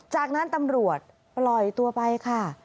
จากนั้นตำรวจปล่อยตัวไปค่ะ